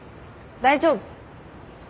大丈夫。